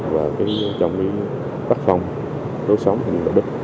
và trong các phòng đối xóm